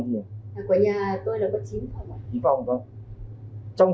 của nhà tôi là có chín phòng